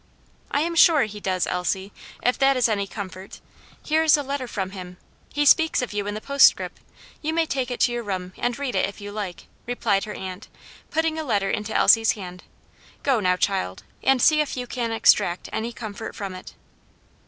"I am sure he does, Elsie, if that is any comfort; here is a letter from him; he speaks of you in the postscript; you may take it to your room and read it, if you like," replied her aunt, putting a letter into Elsie's hand. "Go now, child, and see if you can extract any comfort from it."